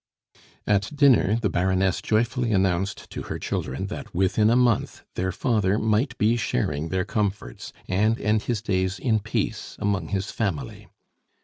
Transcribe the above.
At dinner the Baroness joyfully announced to her children that within a month their father might be sharing their comforts, and end his days in peace among his family.